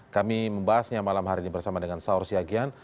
kami membahasnya malam hari ini bersama dengan saur siagian